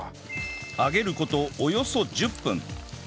揚げる事およそ１０分